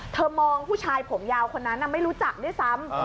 มองผู้ชายผมยาวคนนั้นไม่รู้จักด้วยซ้ำ